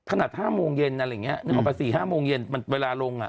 ถนัดห้าโมงเย็นอะไรอย่างเงี้ยนึกออกไปสี่ห้าโมงเย็นมันเวลาลงอ่ะ